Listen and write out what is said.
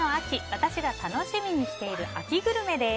私が楽しみにしている秋グルメです。